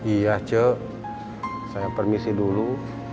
iya cek saya permisi dulu